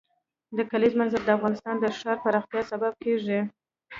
د کلیزو منظره د افغانستان د ښاري پراختیا سبب کېږي.